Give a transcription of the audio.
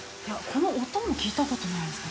◆この音も聞いたことないです。